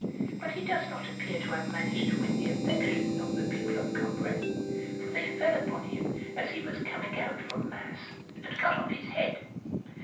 But he does not appear to have managed to win the affection of the people of Combray, for they fell upon him as he was coming out from mass, and cut off his head.